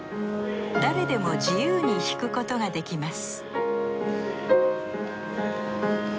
誰でも自由に弾くことができます